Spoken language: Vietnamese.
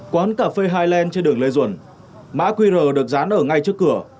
quán cà phê highland trên đường lê duẩn mã qr được dán ở ngay trước cửa